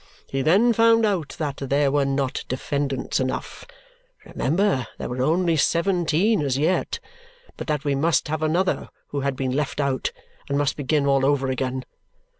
He then found out that there were not defendants enough remember, there were only seventeen as yet! but that we must have another who had been left out and must begin all over again.